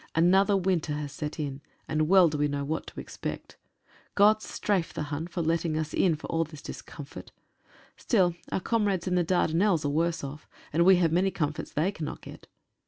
Another winter has set in, and well do we know what to expect. Gott strafe the Hun for letting us in for all this discomfort! Still, our comrades in the Dardanelles are worse off, and we have many comforts they cannot get.